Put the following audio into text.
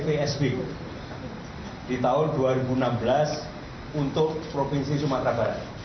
pemberian kepada ig